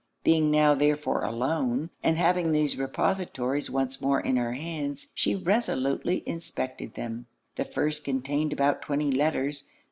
Being now therefore alone, and having these repositories once more in her hands, she resolutely inspected them. The first contained about twenty letters.